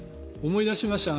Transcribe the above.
思い出しました。